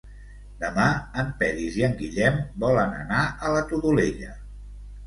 Demà en Peris i en Guillem volen anar a la Todolella.